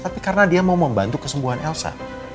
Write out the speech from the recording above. tapi karena dia mau membantu kesembuhan elsa